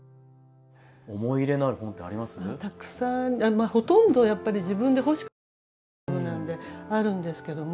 まあほとんどやっぱり自分で欲しくて手に入れたものなんであるんですけども。